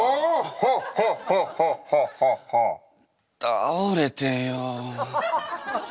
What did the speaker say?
倒れてよ。